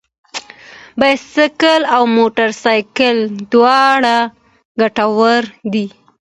بايسکل او موټر سايکل دواړه ګټور دي.